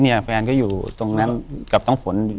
แฟนก็อยู่ตรงนั้นกับน้องฝน